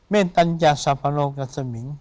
เมตัญจสะพะโลกัสมิง